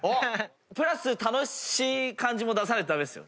プラス楽しい感じも出さないと駄目ですよ。